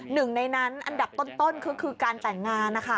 หนึ่งในนั้นอันดับต้นคือการแต่งงานนะคะ